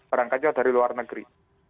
barangkanya dari luar negeri